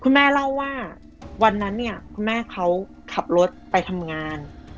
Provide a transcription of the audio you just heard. แม่เล่าว่าวันนั้นเนี่ยคุณแม่เขาขับรถไปทำงาน